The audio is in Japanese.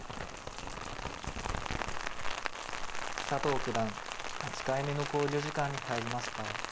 佐藤九段８回目の考慮時間に入りました。